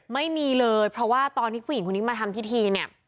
ไม่มีเลยเพราะว่าตอนที่ผู้หญิงคนนี้มาทำพิธีเนี่ย